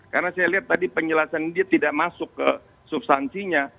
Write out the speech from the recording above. karena saya lihat tadi penjelasan ini tidak masuk ke substansinya